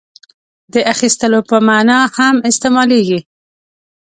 • دې د اخیستلو په معنیٰ هم استعمالېږي.